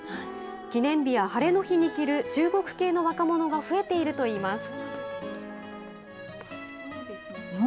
記念日やハレの日に着る中国系の若者が増えているといいます。